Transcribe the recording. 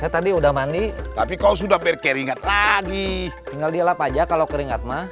tinggal dia lap aja kalau keringat ma